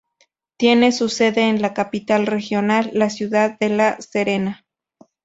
Tiene su sede en la capital regional, la ciudad de La Serena.